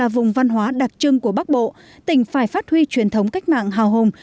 vùng văn hóa đặc trưng của bắc bộ tỉnh phải phát huy truyền thống cách mạng hào hùng